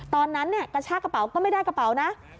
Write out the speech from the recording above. ตอนนั้นกระชากระเป๋าก็ไม่ได้กระเป๋านะ